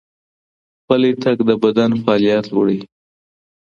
پلی تګ د بدن فعالیت لوړوي.